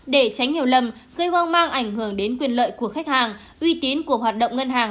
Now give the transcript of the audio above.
để tránh hiểu lầm cây hoang mang ảnh hưởng đến quyền lợi của khách hàng